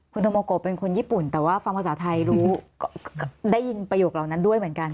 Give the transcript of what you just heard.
คุณธโมโกเป็นคนญี่ปุ่นแต่ว่าฟังภาษาไทยรู้ได้ยินประโยคเหล่านั้นด้วยเหมือนกัน